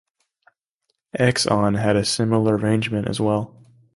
Exxon had a similar arrangement as well.